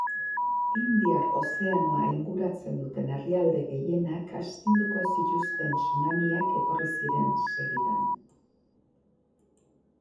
Indiar ozeanoa inguratzen duten herrialde gehienak astinduko zituzten tsunamiak etorri ziren segidan.